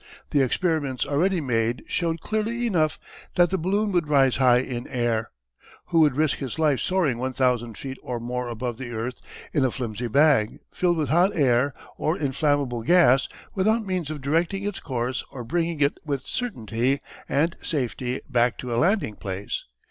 The experiments already made showed clearly enough that the balloon would rise high in air. Who would risk his life soaring one thousand feet or more above the earth, in a flimsy bag, filled with hot air, or inflammable gas, without means of directing its course or bringing it with certainty and safety back to a landing place?